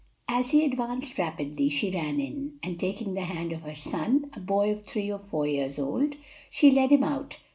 As he advanced rapidly, she ran in, and taking the hand of her son, a boy of three or four years old, she led him out.